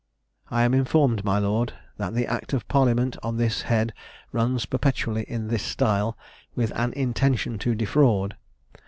I am informed, my lords, that the act of parliament on this head runs perpetually in this style, with an intention to defraud.